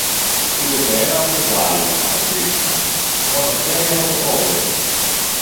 Ούτε το ένα ούτε το άλλο, αποκρίθηκαν, μόνο τρέμει από το φόβο του.